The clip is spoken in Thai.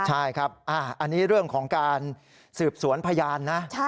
ใช่ครับอันนี้เรื่องของการสืบสวนพยานนะ